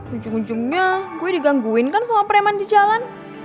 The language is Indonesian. ujung ujungnya gue digangguin kan semua preman di jalan